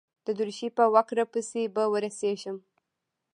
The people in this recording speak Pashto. د درېشۍ په وکړه پسې به ورسېږم.